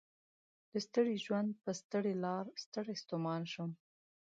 د ستړي ژوند په ستړي لار ستړی ستومان شوم